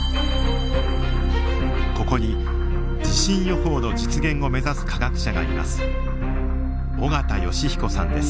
ここに地震予報の実現を目指す科学者がいます。